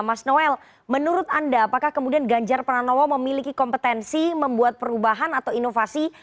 mas noel menurut anda apakah kemudian ganjar pranowo memiliki kompetensi membuat perubahan atau inovasi